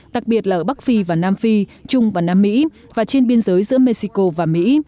đặc biệt là ở bắc phi và nam phi trung và nam mỹ và trên biên giới giữa mexico và mỹ